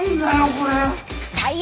これ！